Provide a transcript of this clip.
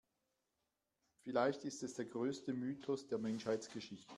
Vielleicht ist es der größte Mythos der Menschheitsgeschichte.